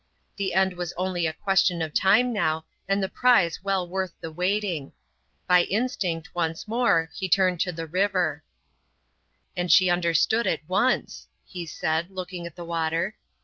The end was only a question of time now, and the prize well worth the waiting. By instinct, once more, he turned to the river. "And she understood at once," he said, looking at the water.